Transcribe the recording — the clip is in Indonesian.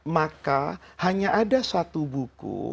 maka hanya ada satu buku